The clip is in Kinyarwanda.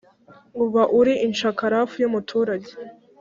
uba uri nshakarafu yumuturage